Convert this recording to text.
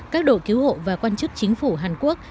các đội cứu hộ và quan chức chính phủ hàn quốc